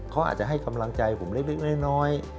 เขาอาจจะให้กำลังใจผมเล็กน้อย